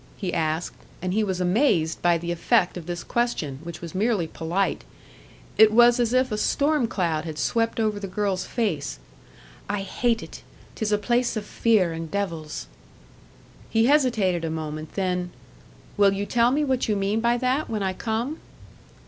he asked; and he was amazed by the effect of this question, which was merely polite. It was as if a storm cloud had swept over the girl's face. "I hate it! 'Tis a place of fear and devils!" He hesitated a moment; then, "Will you tell me what you mean by that when I come?"